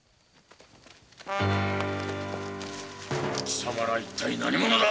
貴様ら一体何者だ！？